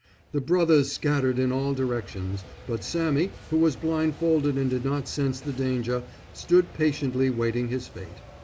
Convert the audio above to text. The Brothers scattered in all directions, but Sammy who was blindfolded and did not sense his danger, stood patiently waiting his fate.